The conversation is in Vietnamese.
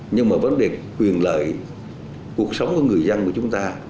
nhưng mà vấn đề quyền lợi cuộc sống của người dân của chúng ta